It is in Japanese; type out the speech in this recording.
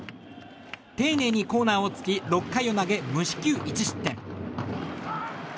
丁寧にコーナーをつき６回を投げ無四球１失点。